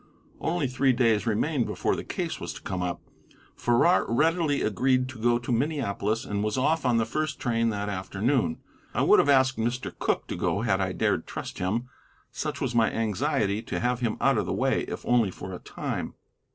Only three days remained before the case was to come up. Farrar readily agreed to go to Minneapolis, and was off on the first train that afternoon. I would have asked Mr. Cooke to go had I dared trust him, such was my anxiety to have him out of the way, if only for a time.